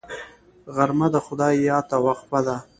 غرمه د خدای یاد ته وقفه ده